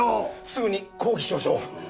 すぐに抗議しましょう。